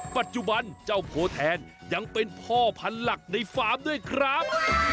ปัจจุบันเจ้าโพแทนยังเป็นพ่อพันธุ์หลักในฟาร์มด้วยครับ